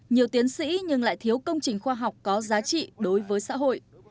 nhiều tiến sĩ nhưng lại thiếu công trình khoa học có giá trị đối với xã hội